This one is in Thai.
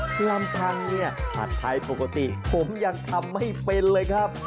ลำพังเนี่ยผัดไทยปกติผมยังทำไม่เป็นเลยครับ